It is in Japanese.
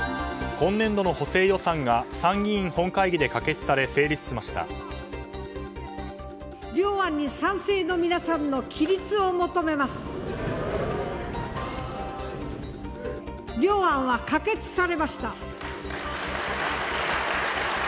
今年度の補正予算が参議院本会議で可決され成立しました。